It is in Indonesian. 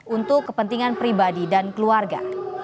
untuk kepentingan pribadi dan keluarga